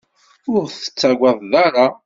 Ur ɣ-tettagad ara.